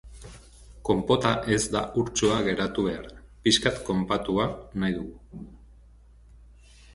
Konpota ez da urtsua geratu behar, pixkat konpatua nahi dugu.